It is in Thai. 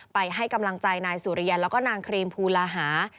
ไปให้กำลังใจนายสุริยันแล้วก็นางครีมภูลาหา